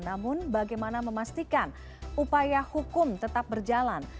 namun bagaimana memastikan upaya hukum tetap berjalan